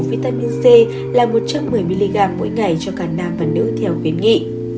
vitamin c là một trăm một mươi mg mỗi ngày cho cả nam và nữ theo khuyến nghị